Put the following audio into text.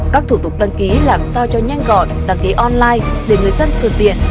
các thủ tục đăng ký làm sao cho nhanh gọn đăng ký online để người dân cường tiện